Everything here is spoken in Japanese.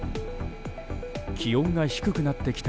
気温が低くなってきた